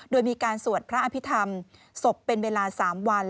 โดยมีการสวดพระอภิษฐรรมศพเป็นเวลา๓วัน